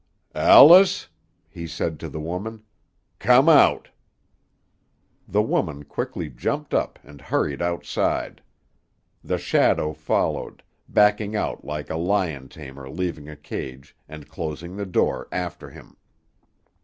"Alice," he said to the woman, "come out." The woman quickly jumped up, and hurried outside. The shadow followed, backing out like a lion tamer leaving a cage, and closing the door after him.